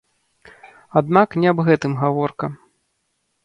Аднак не аб гэтым гаворка.